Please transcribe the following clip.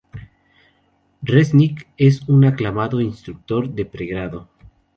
Resnik es un aclamado instructor de Pre-grado.